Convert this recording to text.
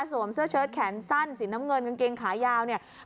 เสื้อเชิดแขนสั้นสีน้ำเงินกางเกงขายาวเนี่ย